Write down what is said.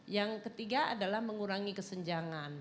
yang ketiga adalah mengurangi kesenjangan